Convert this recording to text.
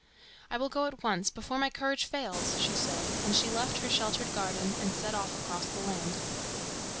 "I will go at once, before my courage fails," she said, and she left her sheltered garden and set off across the land.